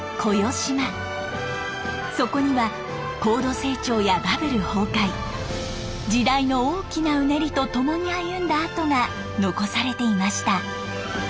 そこには高度成長やバブル崩壊時代の大きなうねりとともに歩んだ跡が残されていました。